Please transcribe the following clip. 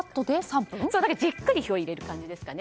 じっくり火を入れる感じですかね。